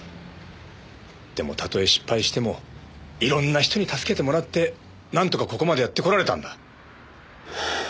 でもたとえ失敗してもいろんな人に助けてもらってなんとかここまでやってこられたんだ。